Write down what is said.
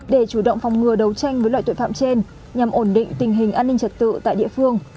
để chủ động phòng ngừa đấu tranh với loại tội phạm trên nhằm ổn định tình hình an ninh trật tự tại địa phương